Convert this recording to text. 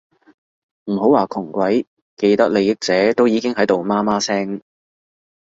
唔好話窮鬼，既得利益者都已經喺度媽媽聲